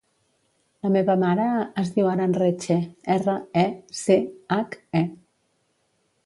La meva mare es diu Aran Reche: erra, e, ce, hac, e.